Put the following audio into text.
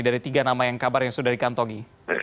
dari tiga nama yang sudah dikantongi